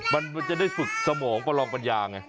มันจะได้ฝึกสมองประลองปัญญาไง